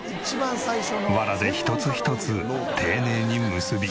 わらで一つ一つ丁寧に結び。